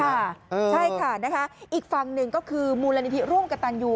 ใช่ค่ะนะคะอีกฝั่งหนึ่งก็คือมูลนิธิร่วมกับตันยู